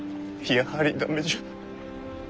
やはり駄目じゃ。